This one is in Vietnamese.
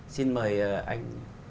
xin mời anh